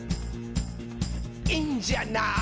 「いいんじゃない？」